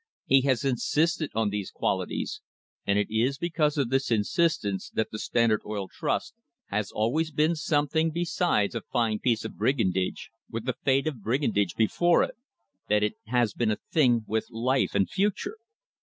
He has insisted on these qualities, and it is because of this insistence that the Standard Oil Trust has always been something be ,sides a fine piece of brigandage, with the fate of brigandage before it, that it has been a thing with life and future.